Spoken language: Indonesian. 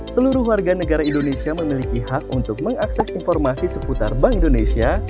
seluruh warga negara indonesia memiliki hak untuk mengakses informasi seputar bank indonesia